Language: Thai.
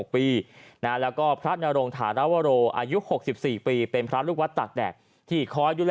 ๓๖ปีนะแล้วก็พระนโรงถารวรอร์อายุ๖๔ปีเป็นพระรุกวัดตักแดดที่คอยอยู่แล